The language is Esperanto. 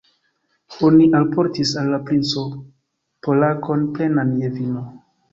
Oni alportis al la princo pokalon, plenan je vino.